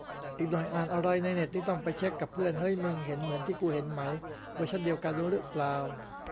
อีกหน่อยอ่านอะไรในเน็ตนี่ต้องไปเช็คกับเพื่อน เฮ้ย มึงเห็นเหมือนที่กูเห็นไหม เวอร์ชันเดียวกันรึเปล่า